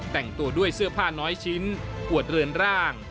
แต่งตัวด้วยเสื้อผ้าน้อยชิ้นกวดเรือนร่าง